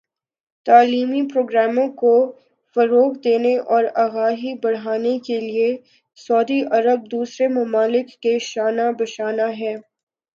تعلیمی پروگراموں کو فروغ دینے اور آگاہی بڑھانے کے لئے سعودی عرب دوسرے ممالک کے شانہ بشانہ ہے